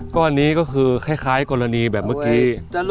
ก้อนนี้ก็คือคล้ายกรณีแบบเมื่อกี้